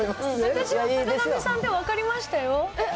私は坂上さんって、分かりましたよ。